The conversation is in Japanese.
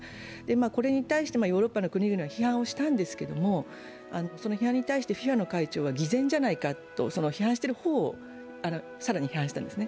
これに対してヨーロッパの国々は批判をしたんですけれども、その批判に対してＦＩＦＡの会長は偽善じゃないかと、批判している方を更に批判したんですね。